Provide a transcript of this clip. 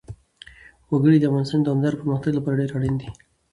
وګړي د افغانستان د دوامداره پرمختګ لپاره ډېر اړین دي.